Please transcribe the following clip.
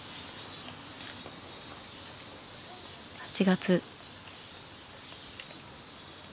８月。